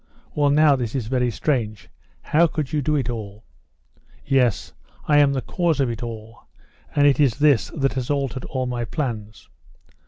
"Well, now this is very strange; how could you do it all?" "Yes, I am the cause of it all; and it is this that has altered all my plans."